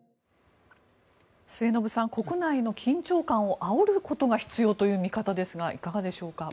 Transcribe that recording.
末延さん国内の緊張感をあおることが必要という見方ですがいかがでしょうか。